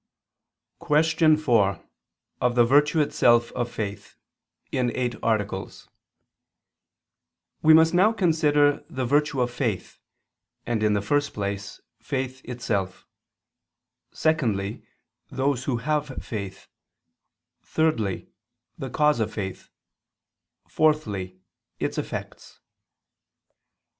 _______________________ QUESTION 4 OF THE VIRTUE ITSELF OF FAITH (In Eight Articles) We must now consider the virtue itself of faith, and, in the first place, faith itself; secondly, those who have faith; thirdly, the cause of faith; fourthly, its effects.